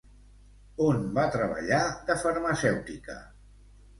On va treballar de farmacèutica?